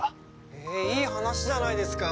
へえいい話じゃないですか。